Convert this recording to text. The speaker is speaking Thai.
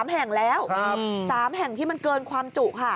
๓แห่งแล้ว๓แห่งที่มันเกินความจุค่ะ